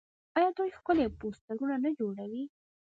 آیا دوی ښکلي پوسټرونه نه جوړوي؟